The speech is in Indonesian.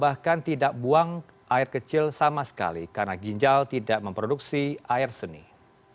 pihak idai menjelaskan pasien gagal ginjal akut misterius yang menyerang anak anak